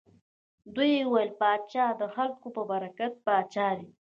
دوی ویل پاچا د خلکو په برکت پاچا دی.